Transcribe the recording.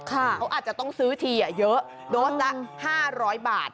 เขาอาจจะต้องซื้อทีเยอะโดสละ๕๐๐บาท